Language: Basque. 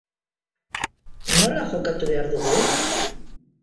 Nola jokatu behar dugu?